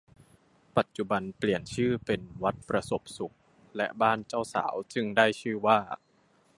ปัจจุบันเปลี่ยนชื่อเป็นวัดประสบสุขและบ้านเจ้าสาวจึงได้ชื่อว่า